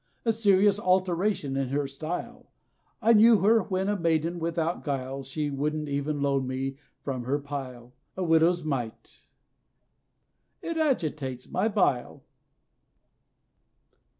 A serious alteration in her style; I knew her when a maiden without guile, She wouldn't even loan me from her pile, A widow's mite; it agitates my bile!